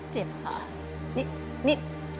เจ็บค่ะ